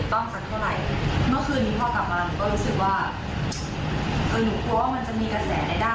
รอบมาคนสุดท้าย